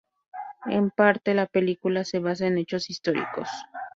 En parte la película se basa en hechos históricos.